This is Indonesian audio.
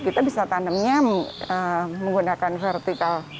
kita bisa tanamnya menggunakan vertikal